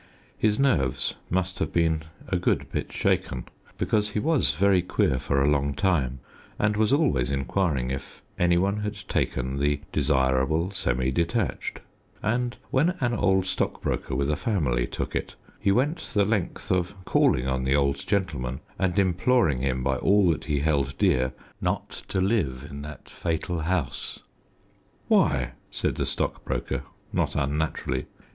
His nerves must have been a good bit shaken, because he was very queer for a long time, and was always inquiring if any one had taken the desirable semi detached; and when an old stockbroker with a family took it, he went the length of calling on the old gentleman and imploring him by all that he held dear, not to live in that fatal house. "Why?" said the stockbroker, not unnaturally.